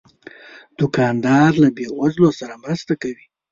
دوکاندار له بې وزلو سره مرسته کوي.